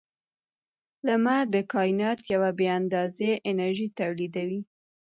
• لمر د کائنات یوه بې اندازې انرژي تولیدوي.